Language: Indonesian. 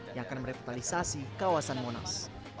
yang akan merevitalisasi kawasan monas